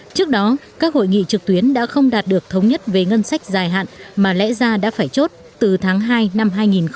trước đó các hội nghị trực tuyến đã không đạt được thống nhất về ngân sách dài hạn mà lẽ ra đã phải chốt từ tháng hai năm hai nghìn một mươi tám